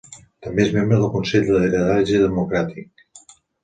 També és membre del Consell de Lideratge Democràtic.